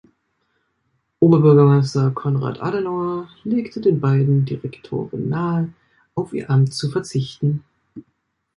Oberbürgermeister Konrad Adenauer legte den beiden Direktoren nahe, auf ihr Amt zu verzichten.